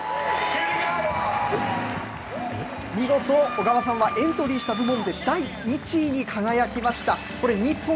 見事、緒川さんはエントリーした部門で第１位に輝きました。